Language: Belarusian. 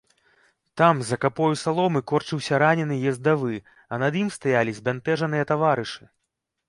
Там за капою саломы корчыўся ранены ездавы, а над ім стаялі збянтэжаныя таварышы.